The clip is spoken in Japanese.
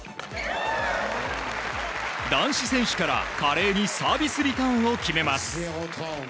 男子選手から華麗にサービスリターンを決めます。